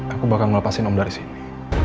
aku bakal melepasin om dari sini